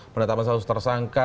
penetapan kasus tersangka